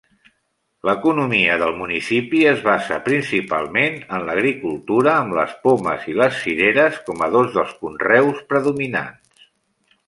L'economia del municipi es basa principalment en l'agricultura, amb les pomes i les cireres com a dos dels conreus predominants.